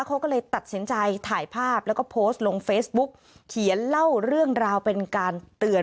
เขาก็เลยตัดสินใจถ่ายภาพแล้วก็โพสต์ลงเฟซบุ๊กเขียนเล่าเรื่องราวเป็นการเตือน